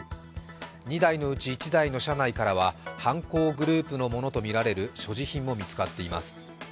２台のうち１台の車内からは犯行グループのものとみられる所持品も見つかっています。